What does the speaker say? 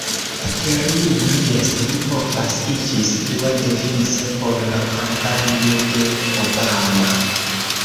La termino "Jes ni povas" iĝis dua devizo por la kampanjo de Obama.